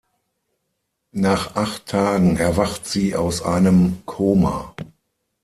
Nach acht Tagen erwacht sie aus einem Koma.